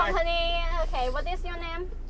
สนุกกัน